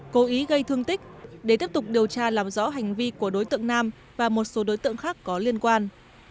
cố ý gây thương tích để tiếp tục điều tra làm rõ hành vi của đối tượng nam và một số đối tượng khác có liên quan